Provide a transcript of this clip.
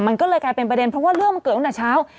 มันก็เลยกลายเป็นประเด็นเพราะว่าเรื่องมันเกิดตั้งแต่เช้า